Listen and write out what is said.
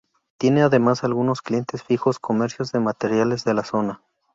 Tiene además algunos clientes fijos, comercios de materiales de la zona.